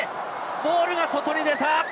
ボールが外に出た。